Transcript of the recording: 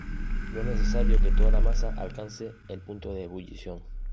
No es necesario que toda la masa alcance el punto de ebullición.